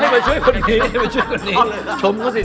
ไม่มาช่วยคนนี้